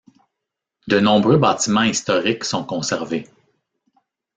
De nombreux bâtiments historiques sont conservés.